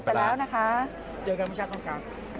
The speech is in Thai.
นี่พาขึ้นรถไปแล้วนะคะ